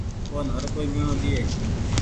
اون هر ڪوئي ميڻو ۮيئي۔